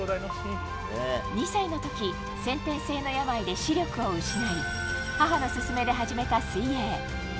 ２歳のとき先天性の病で視力を失い、母の勧めで始めた水泳。